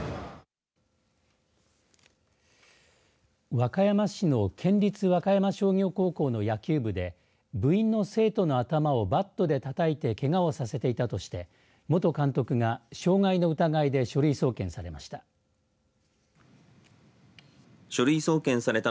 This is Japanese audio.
和歌山市の県立和歌山商業高校の野球部で部員の生徒の頭をバットでたたいてけがをさせていたとして元監督が傷害の疑いで書類送検されました。